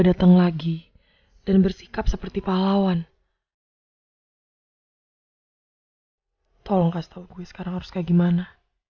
datang lagi dan bersikap seperti pahlawan tolong kasih tahu gue sekarang harus kayak gimana